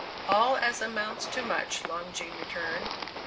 "All as amounts to much," Long Jean returned.